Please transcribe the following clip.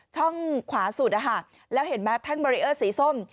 ช่องขวาสุดแล้วเห็นมั้ยทางเมริเออร์สีส้ม